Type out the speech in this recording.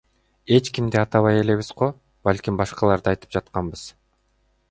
Эч кимди атабай элебиз го, балким башкаларды айтып жатканбыз.